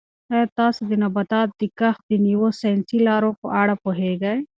آیا تاسو د نباتاتو د کښت د نویو ساینسي لارو په اړه پوهېږئ؟